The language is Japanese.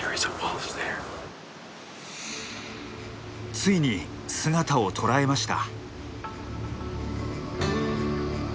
ついに姿を捉えました。